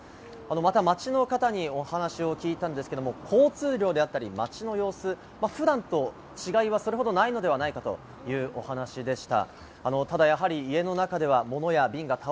また町の方にお話を聞いたんですけど、交通量であったり街の様子、普段と違いはそれほどないのではないかというお話でした。